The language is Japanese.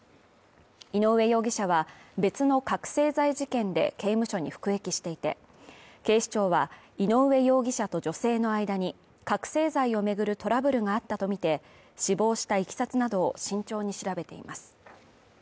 井上容疑者は別の覚醒剤事件で、刑務所に服役していて、警視庁は井上容疑者と女性の間に、覚醒剤を巡るトラブルがあったとみて死亡した経緯などを慎重に調べています。